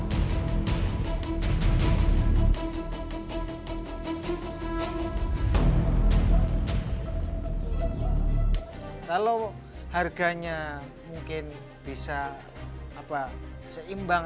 kalau harganya mungkin bisa seimbang